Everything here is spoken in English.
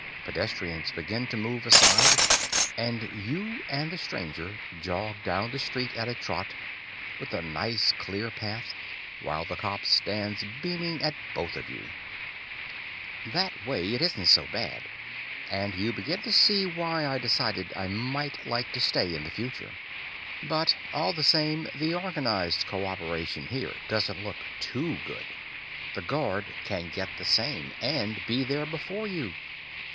Pedestrians begin to move aside, and you and the stranger jog down the street at a trot, with a nice clear path, while the cop stands beaming at you both. That way, it isn't so bad. And you begin to see why I decided I might like to stay in the future. But all the same, the organized cooperation here doesn't look too good. The guard can get the same and be there before you.